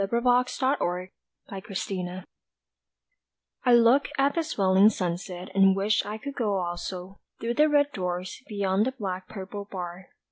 _ IN TROUBLE AND SHAME I LOOK at the swaling sunset And wish I could go also Through the red doors beyond the black purple bar.